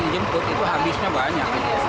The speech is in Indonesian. jemput itu habisnya banyak